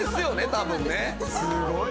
多分ね。